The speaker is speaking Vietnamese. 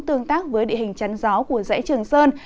tương tác với địa hình chắn gió của dãy trường sơn